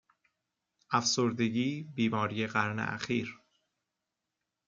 افسردگی بیماری قرن اخیر